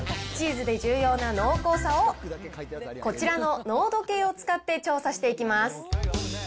チーズで重要な濃厚さを、こちらの濃度計を使って調査していきます！